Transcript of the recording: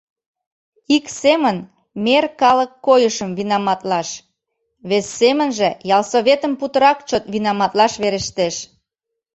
Ик семын «мер калык» койышым винаматлаш, вес семынже ялсоветым путырак чот винаматлаш верештеш.